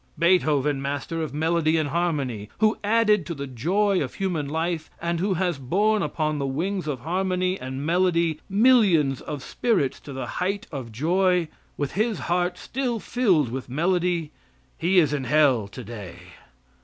Beethoven, Master of melody and harmony, who added to the joy of human life, and who has borne upon the wings of harmony and melody millions of spirits to the height of joy, with his heart still filled with melody he is in hell today.